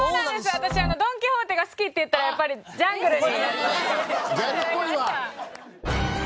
私ドン・キホーテが好きって言ったらやっぱりジャングルにしていただきました。